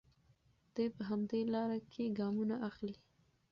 دی په همدې لاره کې ګامونه اخلي.